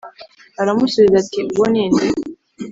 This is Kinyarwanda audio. Aramusubiza ati uwo ni nde